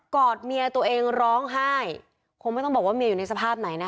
อดเมียตัวเองร้องไห้คงไม่ต้องบอกว่าเมียอยู่ในสภาพไหนนะคะ